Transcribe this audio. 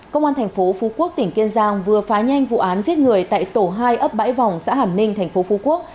công an tp phú quốc tỉnh kiên giang vừa phá nhanh vụ án giết người tại tổ hai ấp bãi vòng xã hàm ninh tp phú quốc